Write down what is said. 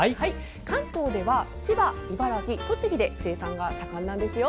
関東では千葉、茨城、栃木で生産が盛んなんですよ。